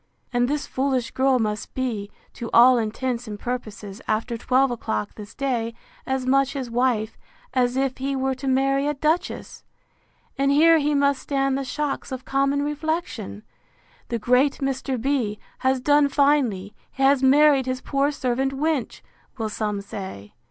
And this foolish girl must be, to all intents and purposes, after twelve o'clock this day, as much his wife, as if he were to marry a duchess!—And here he must stand the shocks of common reflection! The great Mr. B—— has done finely! he has married his poor servant wench! will some say.